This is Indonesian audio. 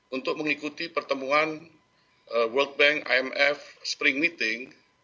untuk mengikuti pertemuan world bank imf spring meeting